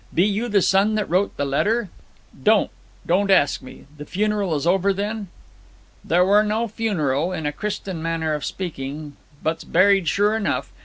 Be you the son that wrote the letter ' 'Don't don't ask me. The funeral is over, then?' 'There wer no funeral, in a Christen manner of speaking. But's buried, sure enough.